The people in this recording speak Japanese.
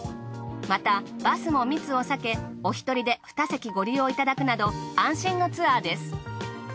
またバスも密を避けおひとりで２席ご利用いただくなど安心のツアーです。